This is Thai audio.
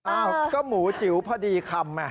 อ้าวก็หมูจิ๋วพอดีคำ